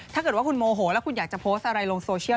ถ้าเกิดว่าคุณโมโหแล้วคุณอยากจะโพสต์อะไรลงโซเชียล